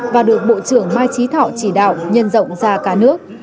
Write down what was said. và được bộ trưởng mai trí thọ chỉ đạo nhân rộng ra cả nước